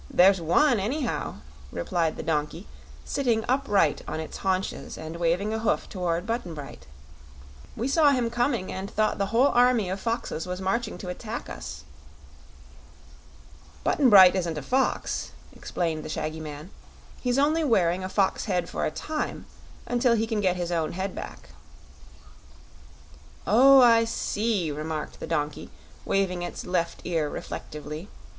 There's one, anyhow," replied the donkey, sitting upright on its haunches and waving a hoof toward Button Bright. "We saw him coming and thought the whole army of foxes was marching to attack us." "Button Bright isn't a fox," explained the shaggy man. "He's only wearing a fox head for a time, until he can get his own head back." "Oh, I see," remarked the donkey, waving its left ear reflectively.